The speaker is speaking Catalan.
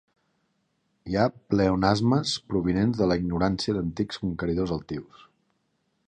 Hi ha pleonasmes provinents de la ignorància d'antics conqueridors altius.